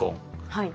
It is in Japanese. はい。